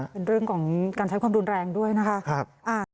เป็นเรื่องจากการใช้ความดุลแรงด้วยครับ